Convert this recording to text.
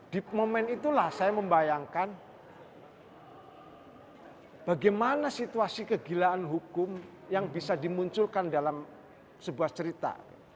di momen itulah saya membayangkan bagaimana situasi kegilaan hukum yang bisa dimunculkan dalam sebuah cerita